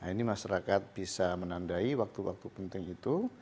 ini masyarakat bisa menandai waktu waktu penting itu